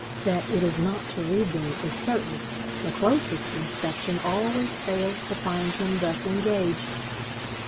That it is not to read them is certain: the closest inspection always fails to find him thus engaged.